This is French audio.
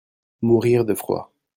Mourir de froid.